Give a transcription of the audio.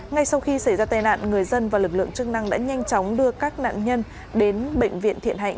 ngay sau khi xảy ra tai nạn người dân và lực lượng chức năng đã nhanh chóng đưa các nạn nhân đến bệnh viện thiện hạnh